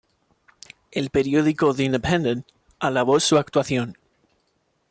El periódico The Independent alabó su actuación.